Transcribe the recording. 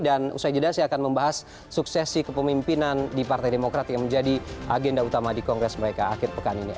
dan usai jeda saya akan membahas suksesi kepemimpinan di partai demokrat yang menjadi agenda utama di kongres mereka akhir pekan ini